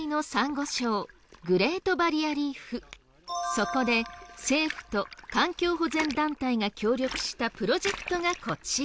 そこで政府と環境保全団体が協力したプロジェクトがこちら。